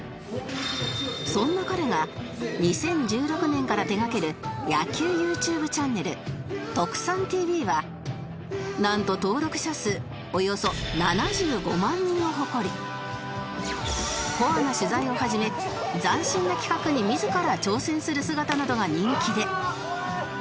そんな彼が２０１６年から手掛ける野球 ＹｏｕＴｕｂｅ チャンネル『トクサン ＴＶ』はなんとコアな取材をはじめ斬新な企画に自ら挑戦する姿などが人気で